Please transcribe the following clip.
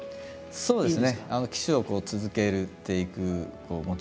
そうですね。